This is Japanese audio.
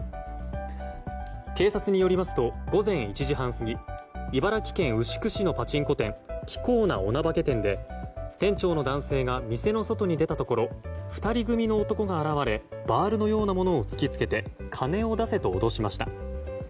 警察によりますと午前１時半過ぎ茨城県牛久市のパチンコ店キコーナ女化店で店長の男性が店の外に出たところ２人組の男が現れバールのようなものを突き付けて金を出せと脅しました。